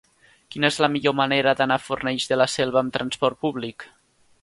Quina és la millor manera d'anar a Fornells de la Selva amb trasport públic?